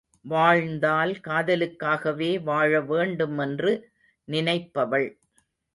வாழ்ந்தால் காதலுக்காகவே வாழ வேண்டுமென்று நினைப்பவள்.